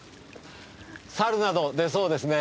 猿など出そうですね。